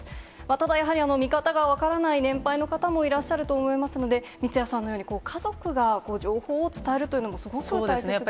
ただやはり、見方が分からない年配の方もいらっしゃると思いますので、三屋さんのように、家族が情報を伝えるというのも、すごく大切ですね。